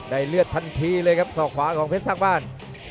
เลือดทันทีเลยครับศอกขวาของเพชรสร้างบ้าน